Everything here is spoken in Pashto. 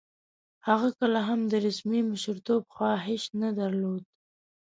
هغه کله هم د رسمي مشرتوب خواهیش نه درلود.